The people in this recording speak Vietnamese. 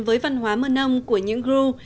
với văn hóa mơ nông của những group